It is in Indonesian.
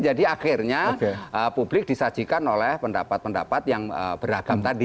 akhirnya publik disajikan oleh pendapat pendapat yang beragam tadi